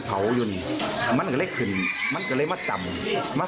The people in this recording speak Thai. สายลูกไว้อย่าใส่